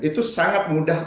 itu sangat mudah